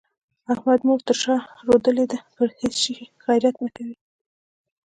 احمد مور تر شا رودلې ده؛ پر هيڅ شي غيرت نه کوي.